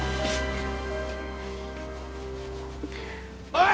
おい！